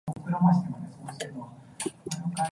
你咁都講得出口嘅？